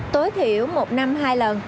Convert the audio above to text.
tối thiểu một năm hai lần